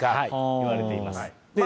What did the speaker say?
いわれています。